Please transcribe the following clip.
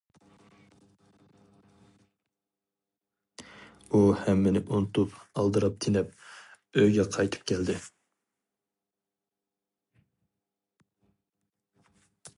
ئۇ ھەممىنى ئۇنتۇپ ئالدىراپ-تېنەپ ئۆيىگە قايتىپ كەلدى.